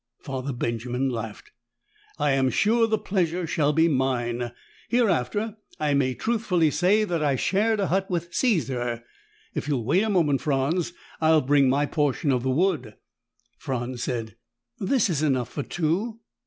Father Benjamin laughed. "I am sure the pleasure shall be mine. Hereafter, I may truthfully say that I shared a hut with Caesar. If you'll wait a moment, Franz, I will bring my portion of the wood." Franz said, "This is enough for two."